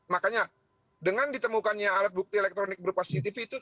makanya dengan ditemukannya alat bukti elektronik berupa cctv itu